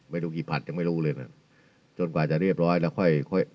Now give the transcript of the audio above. ไม่รู้กี่ผัดยังไม่รู้เลยนะจนกว่าจะเรียบร้อยแล้วค่อยค่อย